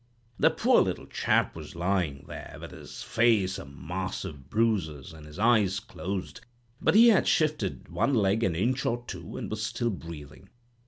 The poor little chap was lying there, with his face a mass of bruises, and his eyes closed; but he had shifted one leg an inch or two, and was still breathing.